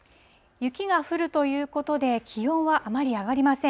雪が降るということで、気温はあまり上がりません。